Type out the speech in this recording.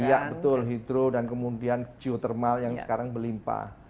iya betul hidro dan kemudian geotermal yang sekarang melimpa